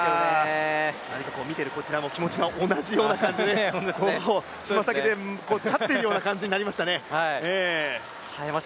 見てるこちらも気持ちが同じような感じで爪先で立ってるような感じになりましたね。